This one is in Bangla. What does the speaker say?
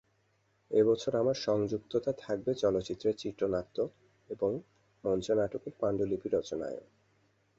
এ বছর আমার সংযুক্ততা থাকবে চলচ্চিত্রের চিত্রনাট্য এবং মঞ্চনাটকের পাণ্ডুলিপি রচনায়ও।